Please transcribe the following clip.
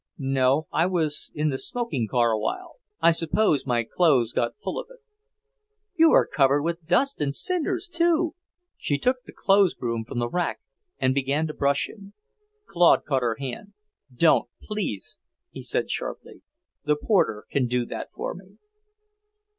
"No. I was in the smoking car awhile. I suppose my clothes got full of it." "You are covered with dust and cinders, too!" She took the clothes broom from the rack and began to brush him. Claude caught her hand. "Don't, please!" he said sharply. "The porter can do that for me."